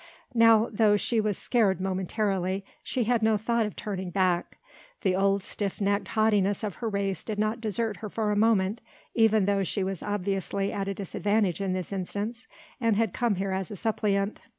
Now though she was scared momentarily, she had no thought of turning back. The old stiff necked haughtiness of her race did not desert her for a moment, even though she was obviously at a disadvantage in this instance, and had come here as a suppliant.